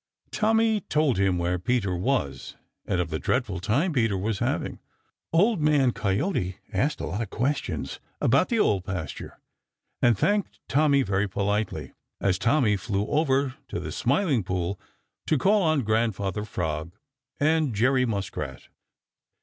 Tommy told him where Peter was and of the dreadful time Peter was having, Old Man Coyote asked a lot of questions about the Old Pasture and thanked Tommy very politely as Tommy flew over to the Smiling Pool to call on Grandfather Frog and Jerry Muskrat.